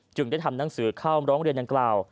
ได้ทำหนังสือเข้าร้องเรียนดังกล่าว